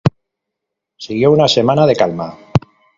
Siguió una semana de calma.